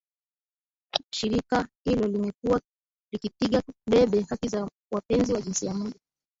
Shirika hilo limekuwa likipigia debe haki za wapenzi wa jinsia moja